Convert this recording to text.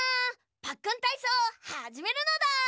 パックンたいそうはじめるのだ！